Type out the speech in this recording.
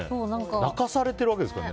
泣かされているわけですからね。